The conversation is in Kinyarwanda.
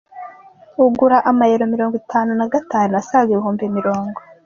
ugura amayero mirongo itanu na gatanu, asaga ibihumbi mirongo